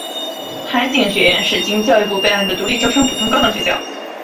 海警学院是经教育部备案的独立招生普通高等学校。